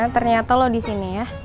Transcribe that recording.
ternyata lo disini ya